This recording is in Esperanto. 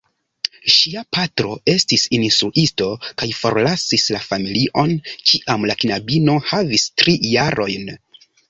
Ŝia patro estis instruisto, kaj forlasis la familion, kiam la knabino havis tri jarojn.